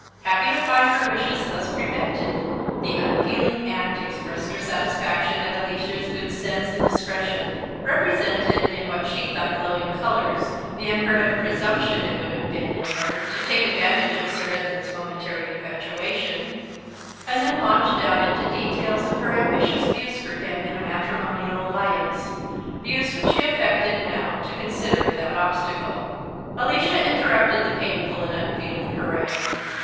Happy to find her wishes thus prevented, the unfeeling aunt expressed her satisfaction at Alicia's good sense and discretion; represented, in what she thought glowing colours, the unheard of presumption it would have been in her to take advantage of Sir Edmund's momentary infatuation; and then launched out into details of her ambitious views for him in a matrimonial alliance views which she affected now to consider without obstacle. Alicia interrupted the painful and unfeeling harangue.